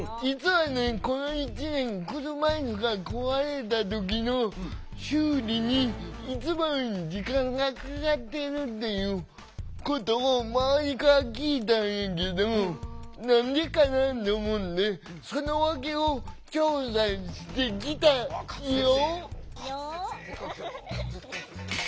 この１年車いすが壊れた時の修理にいつもより時間がかかっているっていうことを周りから聞いたんやけど「なんでかな？」と思ってその訳を調査してきたよ！